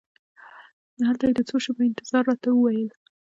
هلته یې د څو شېبو انتظار راته وویل.